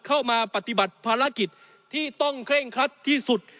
เข้ามาปฏิบัติภารกิจที่ต้องเคร่งครัดที่สุด